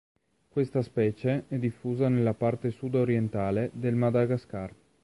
Questa specie è diffusa nella parte sud-orientale del Madagascar.